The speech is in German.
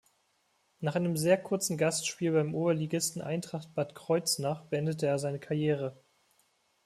Nach einem sehr kurzen Gastspiel beim Oberligisten Eintracht Bad Kreuznach beendete er seine Karriere.